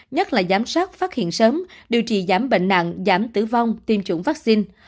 nhất là giám sát phát hiện sớm điều trị giảm bệnh nặng giảm tử vong tiêm chủng vắc xin